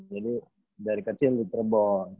jadi dari kecil di cerbon